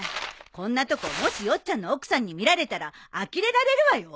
こんなとこもしヨッちゃんの奥さんに見られたらあきれられるわよ。